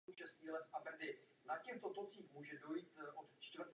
Jeho další osudy jsou nejasné.